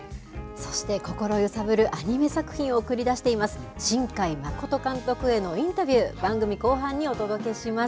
そして心揺さぶるアニメ作品を送り出しています、新海誠監督へのインタビュー、番組後半にお届けします。